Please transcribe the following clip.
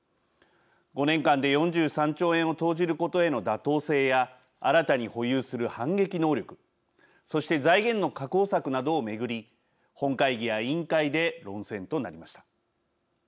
５年間で４３兆円を投じることへの妥当性や新たに保有する反撃能力そして財源の確保策などを巡り本会議や委員会で論戦となりました。